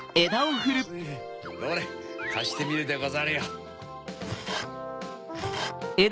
どれかしてみるでござるよ。